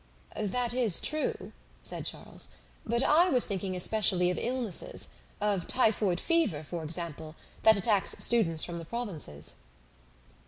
"That is true," said Charles; "but I was thinking especially of illnesses of typhoid fever, for example, that attacks students from the provinces."